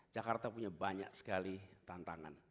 jakarta punya banyak sekali tantangan